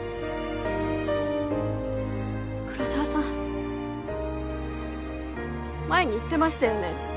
黒澤さん前に言ってましたよね。